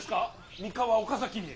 三河岡崎に。